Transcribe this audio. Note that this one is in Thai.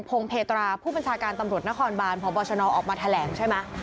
พงศ์เพตราผู้บัญชาการตำรวจนครบานพบชนออกมาแถลงใช่ไหม